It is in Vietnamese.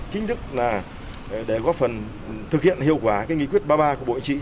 chính thức là để góp phần thực hiện hiệu quả nghị quyết ba mươi ba của bộ chính trị